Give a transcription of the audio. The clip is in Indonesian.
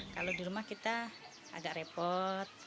kalau di rumah kita agak repot